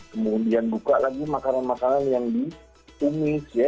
kemudian buka lagi makanan makanan yang di tumis ya